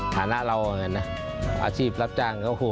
ฐานะเราอย่างนั้นนะอาชีพรับจ้าง